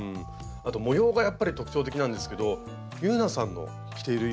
あと模様がやっぱり特徴的なんですけどｙｕｎａさんの着ている服